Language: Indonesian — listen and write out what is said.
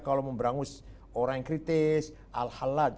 kalau memberangus orang yang kritis al halad